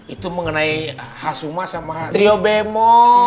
itu mengenai hasuma sama rio bemo